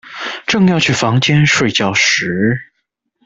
正要去房間睡覺時